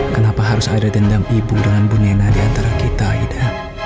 kenapa harus aida dendam ibu dengan bunyai nadi antara kita aida